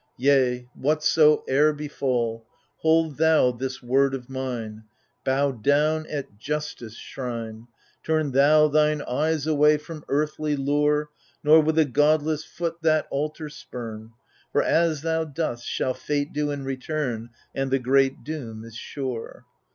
Yea, whatsoe'er befall, hold thou this word of mine : Bow down at Justice shrine^ Turn thou thine eyes away from earthly lure^ Nor with a godless foot that altar spurn. For as thou dost shall Fate do in return, And the great doom is sure.